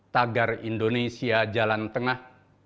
tagar indonesia jalan tengah